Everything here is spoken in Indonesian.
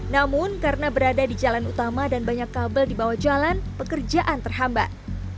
namun karena berada di jalan utama dan banyak kabel di bawah jalan pekerjaan terhambat